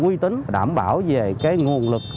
quy tính đảm bảo về cái nguồn lực